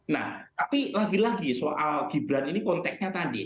nah tapi lagi lagi soal gibran ini konteksnya tadi